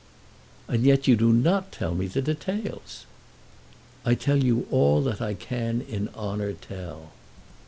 "And yet you do not tell me the details." "I tell you all that I can in honour tell."